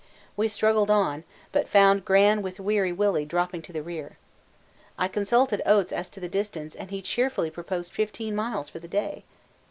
We struggled on, but found Gran with Weary Willy dropping to the rear. I consulted Oates as to distance and he cheerfully proposed 15 miles for the day!